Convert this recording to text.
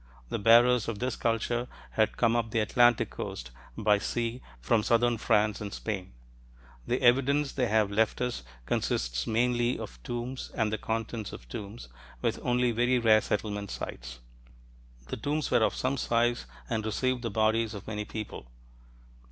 The bearers of this culture had come up the Atlantic coast by sea from southern France and Spain. The evidence they have left us consists mainly of tombs and the contents of tombs, with only very rare settlement sites. The tombs were of some size and received the bodies of many people.